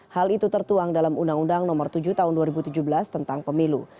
hal itu tertuang dalam undang undang nomor tujuh tahun dua ribu tujuh belas tentang pemilu